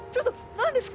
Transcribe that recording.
何ですか？